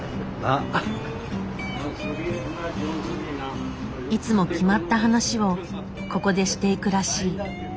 いつも決まった話をここでしていくらしい。